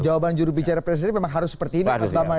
jawaban juru bicara presiden memang harus seperti ini